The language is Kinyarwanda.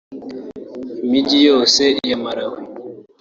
Imijyi yose ya Malawi